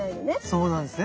そうなんすね。